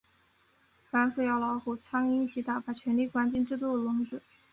反腐要老虎、苍蝇一起打，把权力关进制度的笼子里。